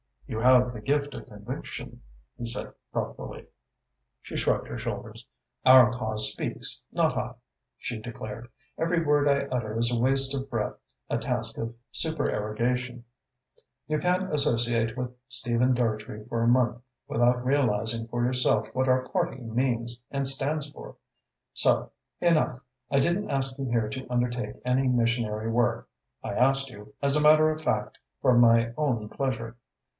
"You have the gift of conviction," he said thoughtfully. She shrugged her shoulders. "Our cause speaks, not I," she declared. "Every word I utter is a waste of breath, a task of supererogation. You can't associate with Stephen Dartrey for a month without realising for yourself what our party means and stands for. So enough. I didn't ask you here to undertake any missionary work. I asked you, as a matter of fact, for my own pleasure.